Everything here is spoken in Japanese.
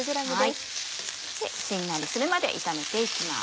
しんなりするまで炒めて行きます。